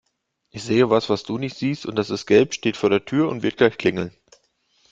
Ich sehe was, was du nicht siehst und das ist gelb, steht vor der Tür und wird gleich klingeln.